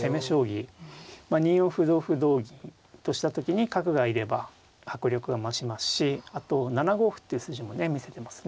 ２四歩同歩同銀とした時に角がいれば迫力が増しますしあと７五歩っていう筋もね見せてますね。